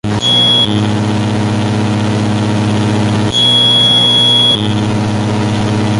Alejo nunca correspondió igual ante los esfuerzos de Cielo.